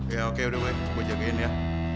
iya oke udah gue jagain ya